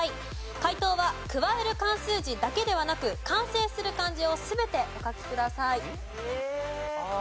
解答は加える漢数字だけではなく完成する漢字を全てお書きください。え。